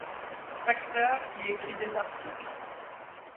Traxler y écrit des articles.